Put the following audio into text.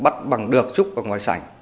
bắt bằng được trúc ở ngoài sảnh